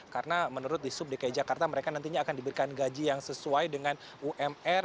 karena menurut di sub dki jakarta mereka nantinya akan diberikan gaji yang sesuai dengan umr